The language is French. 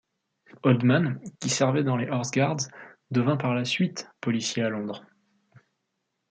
Oldman, qui servait dans les Horse guards, devint par la suite policier à Londres.